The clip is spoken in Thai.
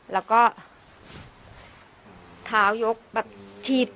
แล้วก็เท้ายกแบบถีบ